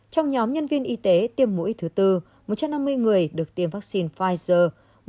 trong nhóm nhân viên y tế tiêm mũi thứ tư một trăm năm mươi người được tiêm vaccine pfizer